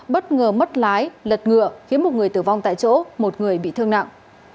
bất ngờ mất lái lật ngựa khiến một người tử vong tại chỗ một người bị thương nặng